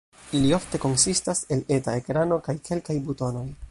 Ili ofte konsistas el eta ekrano kaj kelkaj butonoj.